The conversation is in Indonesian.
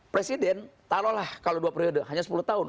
presiden taruh lah kalau dua periode hanya sepuluh tahun